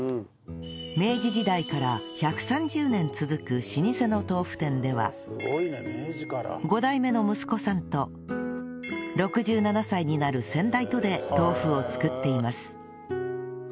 明治時代から１３０年続く老舗の豆腐店では５代目の息子さんと６７歳になる先代とで豆腐を作っています